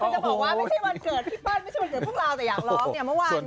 กลับมาว่าไม่ใช่วันเกิดพี่เป้าะไม่ใช่วันเกิดพวกเรา